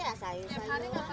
setiap hari atau apa